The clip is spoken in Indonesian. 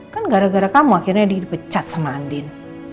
kan gara gara kamu akhirnya dipecat sama andin